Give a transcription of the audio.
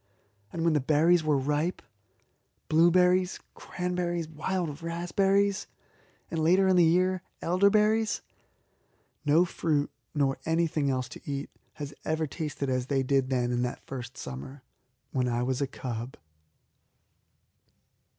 And when the berries were ripe blueberries, cranberries, wild raspberries, and, later in the year, elderberries no fruit, nor anything else to eat, has ever tasted as they did then in that first summer when I was a cub.